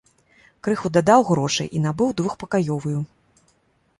Крыху дадаў грошай і набыў двухпакаёвую.